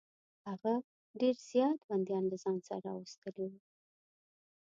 هغه ډېر زیات بندیان له ځان سره راوستلي وه.